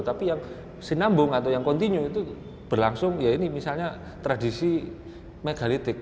tapi yang sinambung atau yang kontinu itu berlangsung ya ini misalnya tradisi megalitik